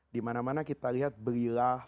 dimana mana kita lihat belilah